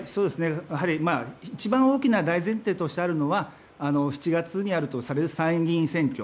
一番大きな大前提としてあるのは７月にあるとされる参議院選挙。